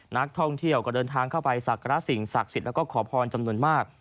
นักท่องเที่ยวก็เดินทางเข้าไปสักการะสิ่งศักดิ์สิทธิ์แล้วก็ขอพรจำนวนมาก